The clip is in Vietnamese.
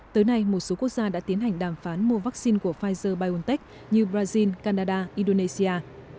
tới nay một số quốc gia đã tiến hành đàm phán mua vaccine của pfizer biontech như brazil canada indonesia